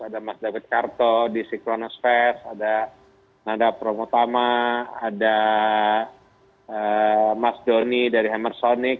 ada mas david karto di sinkronius fest ada nada promotama ada mas doni dari hammersonic